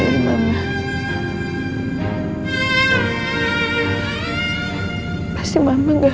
harusnya mama dah lebih kuat untuk membela diri mama